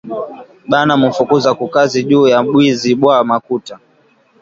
Bana mu fukuza ku kazi juya bwizi bwa makuta